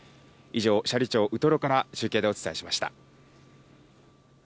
以上、斜里町ウトロから中継でお伝えしました。